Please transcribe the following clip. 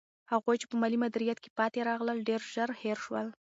هغوی چې په مالي مدیریت کې پاتې راغلل، ډېر ژر هېر شول.